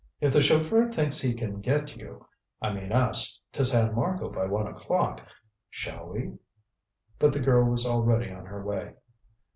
If the chauffeur thinks he can get you I mean, us to San Marco by one o'clock, shall we " But the girl was already on her way.